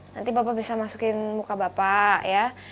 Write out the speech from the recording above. nanti bapak bisa masukin muka bapak ya